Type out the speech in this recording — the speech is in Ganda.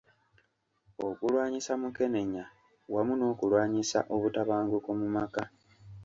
Okulwanyisa Mukenenya wamu n’okulwanyisa obutabanguko mu maka.